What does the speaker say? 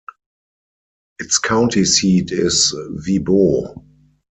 Its county seat is Wibaux.